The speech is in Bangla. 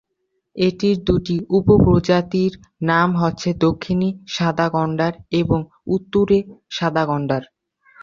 এটির দুটি উপপ্রজাতির নাম হচ্ছে দক্ষিণী সাদা গণ্ডার এবং উত্তুরে সাদা গণ্ডার।